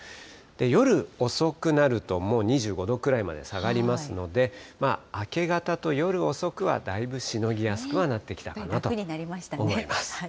夜遅くなると、もう２５度くらいまで下がりますので、明け方と夜遅くはだいぶしのぎやすくはなってきたかなと思います。